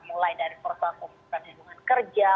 mulai dari persoalan kondisi perhubungan kerja